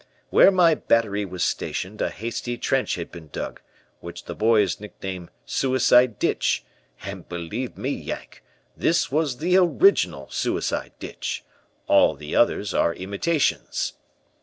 "Where my battery was stationed, a hasty trench had been dug, which the boys nicknamed 'Suicide Ditch,' and believe me, Yank, this was the original 'Suicide Ditch'. All the others are imitations.